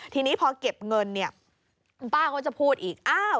ทีนี้พอเก็บเงินป้าเขาจะพูดอีก